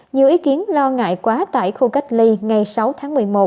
nhiều ý kiến lo ngại quá tải khu cách ly ngày sáu tháng một mươi một